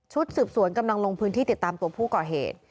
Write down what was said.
สืบสวนกำลังลงพื้นที่ติดตามตัวผู้ก่อเหตุ